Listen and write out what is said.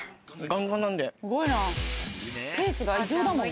すごいな。